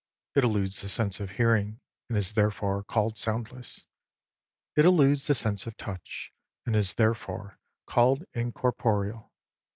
It eludes the sense of hearing, and is therefore called soundless. It eludes the sense of touch, and is therefore called incorporeal.